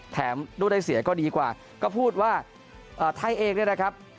ลูกได้เสียก็ดีกว่าก็พูดว่าไทยเองเนี่ยนะครับ